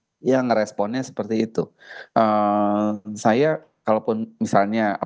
e ini selian dia pas men translator bagi saya yang sering masuk lagi waktu